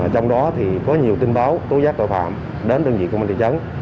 trong đó thì có nhiều tin báo tố giác tội phạm đến đơn vị công an thị trấn